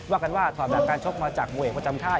ว่ากันว่าถอดแบบการชกมาจากวงเอกพจมฆ่า